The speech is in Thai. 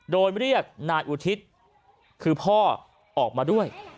โดยเรียกนายอุทิศคือพ่อออกมาด้วย